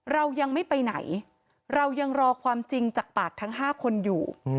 เรายังไม่ไปไหนเรายังรอความจริงจากปากทั้ง๕คนอยู่